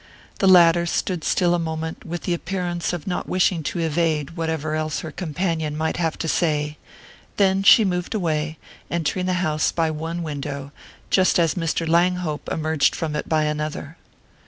The latter stood still a moment, with the appearance of not wishing to evade whatever else her companion might have to say; then she moved away, entering the house by one window just as Mr. Langhope emerged from it by another.